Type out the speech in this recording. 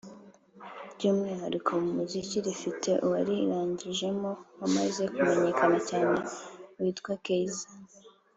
By’umwihariko mu muziki rifite uwarirangijemo wamaze kumenyekana cyane witwa Kiesza